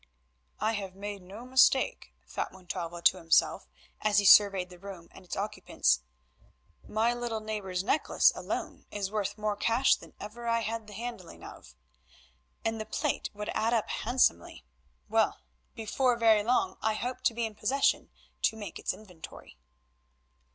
"I have made no mistake," thought Montalvo to himself, as he surveyed the room and its occupants. "My little neighbour's necklace alone is worth more cash than ever I had the handling of, and the plate would add up handsomely. Well, before very long I hope to be in a position to make its inventory."